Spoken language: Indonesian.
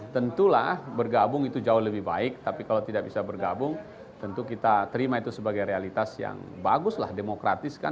tentulah bergabung itu jauh lebih baik tapi kalau tidak bisa bergabung tentu kita terima itu sebagai realitas yang baguslah demokratis kan